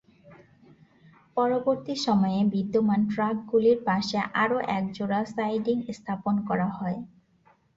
পরবর্তী সময়ে বিদ্যমান ট্র্যাকগুলির পাশে আরও একজোড়া সাইডিং স্থাপন করা হয়।